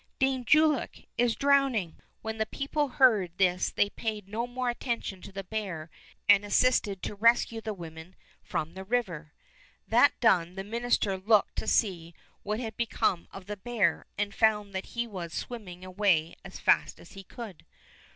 Dame Jullock is drowning!" When the people heard this they paid no more attention to the bear and assisted to rescue the woman from the river. That Fairy Tale Bears 157 done, the minister looked to see what had become of the bear, and found that he was swimming away as fast as he could.